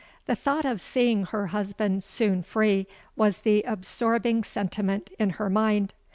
the thought of seeing her husband soon free was the absorbing sentiment in her mind!